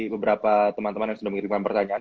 beberapa teman teman yang sudah mengirimkan pertanyaan